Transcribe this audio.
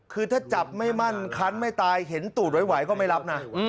คือถ้าจับไม่มั่นคันไม่ตายเห็นตูดไหวก็ไม่รับนะ